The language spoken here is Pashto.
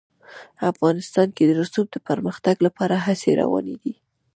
افغانستان کې د رسوب د پرمختګ لپاره هڅې روانې دي.